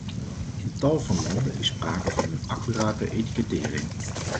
In tal van landen is sprake van een accurate etikettering.